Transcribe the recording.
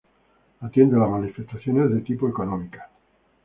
Atiende a las manifestaciones de tipo económicas.